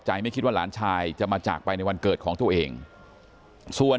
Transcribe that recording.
ไม่คิดว่าหลานชายจะมาจากไปในวันเกิดของตัวเองส่วน